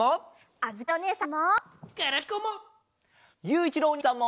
あづきおねえさんも。